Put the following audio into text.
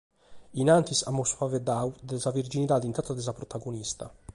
In antis amus faeddadu de sa virginidade intata de sa protagonista.